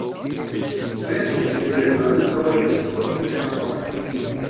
Verkis lernolibrojn por persoj.